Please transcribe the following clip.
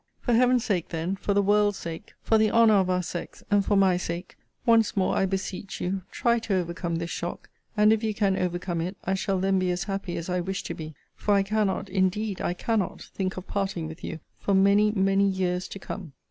For Heaven's sake, then, for the world's sake, for the honour of our sex, and for my sake, once more I beseech you, try to overcome this shock: and, if you can overcome it, I shall then be as happy as I wish to be; for I cannot, indeed I cannot, think of parting with you, for many, many years to come.